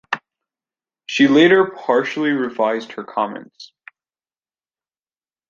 She later partially revised her comments.